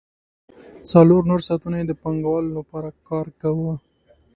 څلور نور ساعتونه یې د پانګوال لپاره کار کاوه